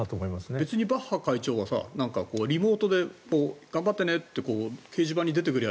別にバッハ会長がリモートで頑張ってねって掲示板に出てくりゃ